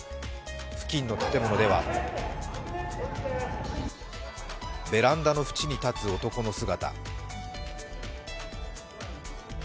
付近の建物ではベランダの縁に立つ男の姿。